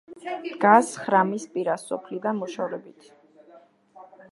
დგას ხრამის პირას, სოფლიდან მოშორებით.